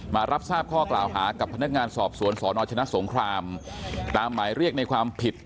มารับทราบข้อกล่าวหากับพนักงานสอบสวนสนชนะสงครามตามหมายเรียกในความผิด